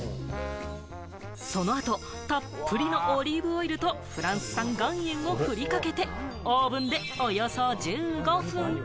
その後、たっぷりのオリーブオイルと、フランス産岩塩をふりかけて、オーブンでおよそ１５分。